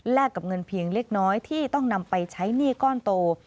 กับเงินเพียงเล็กน้อยที่ต้องนำไปใช้หนี้ก้อนโต